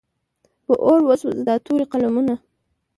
په اور وسوځه دا تورې قلمونه.